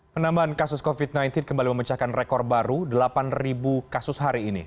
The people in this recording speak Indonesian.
penambahan kasus covid sembilan belas kembali memecahkan rekor baru delapan kasus hari ini